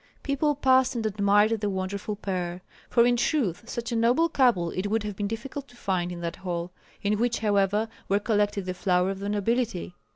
People passed and admired the wonderful pair; for in truth such a noble couple it would have been difficult to find in that hall, in which, however, were collected the flower of the nobility.